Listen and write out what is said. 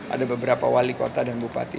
ada beberapa wali kota dan bupati